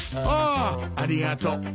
ああありがとう。